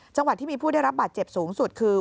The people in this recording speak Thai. จังหวัดที่มีผู้ได้รับบาดเจ็บสูงสุดคือ